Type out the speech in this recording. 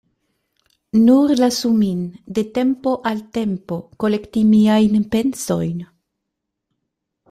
Nur lasu min de tempo al tempo kolekti miajn pensojn.